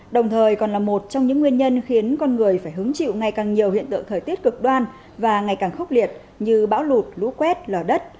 đồng thời còn là một trong những nguyên nhân khiến con người phải hứng chịu ngày càng nhiều hiện tượng thời tiết cực đoan và ngày càng khốc liệt như bão lụt lũ quét lở đất